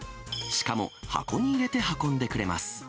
しかも、箱に入れて運んでくれます。